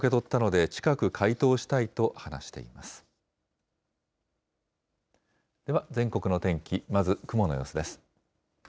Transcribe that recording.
では全国の天気、まず、雲の様子です。